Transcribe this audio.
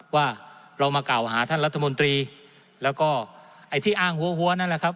ว่าเรามากล่าวหาท่านรัฐมนตรีแล้วก็ไอ้ที่อ้างหัวหัวนั่นแหละครับ